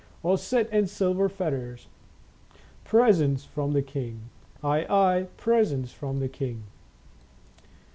Or sit in silver fetters, Presents from the king. Aye, aye, presents from the king."